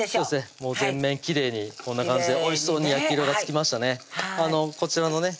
もう全面きれいにこんな感じでおいしそうに焼き色がつきましたこちらのね